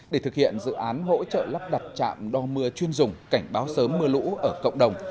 để thực hiện dự án hỗ trợ lắp đặt trạm đo mưa chuyên dùng cảnh báo sớm mưa lũ ở cộng đồng